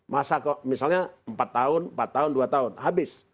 masa kok misalnya empat tahun empat tahun dua tahun habis